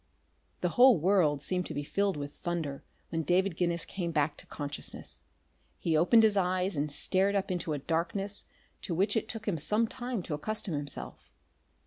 The whole world seemed to be filled with thunder when David Guinness came back to consciousness. He opened his eyes and stared up into a darkness to which it took him some time to accustom himself.